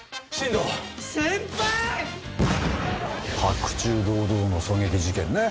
白昼堂々の狙撃事件ね。